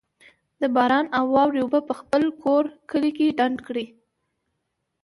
د باران او واورې اوبه په خپل کور، کلي کي ډنډ کړئ